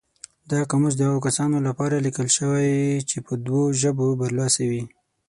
دا قاموس د هغو کسانو لپاره لیکل شوی چې په دوو ژبو برلاسي وي.